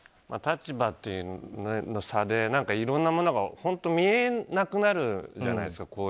立場の差でいろんなものが本当に見えなくなるじゃないですか。